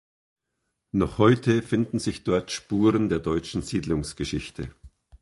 Noch heute finden sich dort Spuren der deutschen Siedlungsgeschichte.